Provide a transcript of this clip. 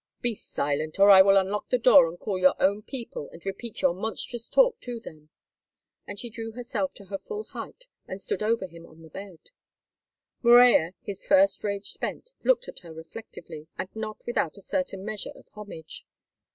Be silent, or I will unlock the door and call your own people and repeat your monstrous talk to them." And she drew herself to her full height and stood over him on the bed. Morella, his first rage spent, looked at her reflectively, and not without a certain measure of homage.